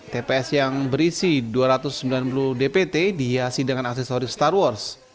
tps yang berisi dua ratus sembilan puluh dpt dihiasi dengan aksesoris star wars